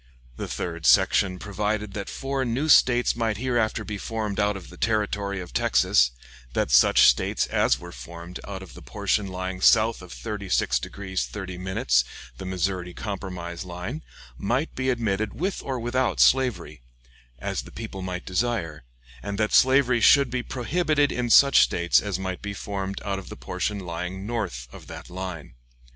The third section provided that four new States might hereafter be formed out of the Territory of Texas; that such States as were formed out of the portion lying south of 36 degrees 30', the Missouri Compromise line, might be admitted with or without slavery, as the people might desire; and that slavery should be prohibited in such States as might be formed out of the portion lying north of that line.